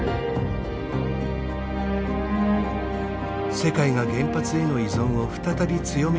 世界が原発への依存を再び強めようとしている